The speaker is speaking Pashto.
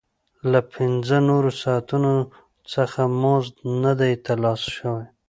له پنځه نورو ساعتونو څخه مزد نه دی ترلاسه شوی